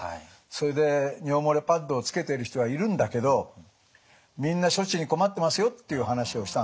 それで尿漏れパッドをつけてる人はいるんだけどみんな処置に困ってますよっていう話をしたんです。